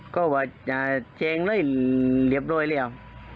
ก็ว่าจะเจ้งเลยเหลียบโดยแล้ว